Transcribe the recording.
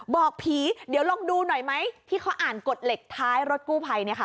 บอกผีเดี๋ยวลองดูหน่อยไหมที่เขาอ่านกฎเหล็กท้ายรถกู้ภัยเนี่ยค่ะ